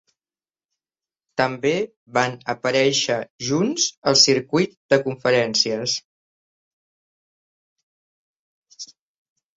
També van aparèixer junts al circuit de conferències.